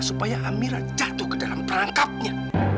supaya amira jatuh ke dalam perangkapnya